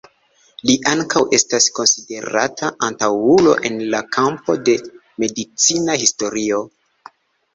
Li ankaŭ estas konsiderata antaŭulo en la kampo de medicina historio.